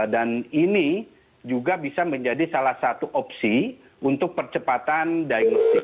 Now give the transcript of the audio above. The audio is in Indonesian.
dan ini juga bisa menjadi salah satu opsi untuk percepatan diagnostik